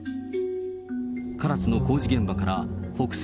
唐津の工事現場から北西